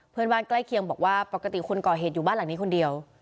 เพื่อนบ้านใกล้เคียงบอกว่าปกติคนก่อเหตุอยู่บ้านหลังนี้คนเดียว